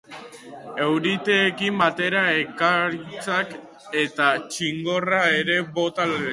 Euriteekin batera, ekaitzak eta txingorra ere bota lezake.